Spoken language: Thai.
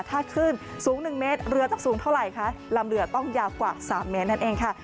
ถ้าขึ้นสูง๑เมตรเรือต้องสูงเท่าไหร่คะลำเรือต้องยาวกว่า๓เมตรนั่นเองค่ะ